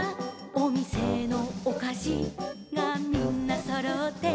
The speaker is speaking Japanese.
「おみせのおかしがみんなそろって」